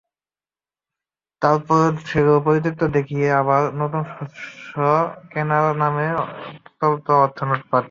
তারপর সেগুলোকে পরিত্যক্ত দেখিয়ে আবার নতুন খাদ্যশস্য কেনার নামে চলত অর্থ লোপাট।